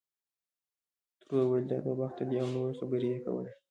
ترور ویل دا دوه بخته دی او نورې خبرې یې کولې.